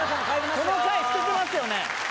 この回捨ててますよね